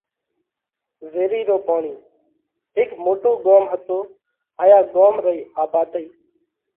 ويرِي رو پوڻِي:ھيڪ موٽو ڳوم ھتو ھايا ڳوم رئي آڀادئي